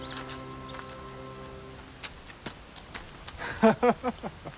ハハハハッ。